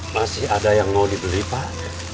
masih ada yang mau dibeli pak